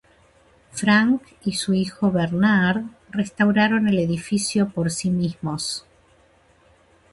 Frank y su hijo Bernard restauraron el edificio por sí mismos.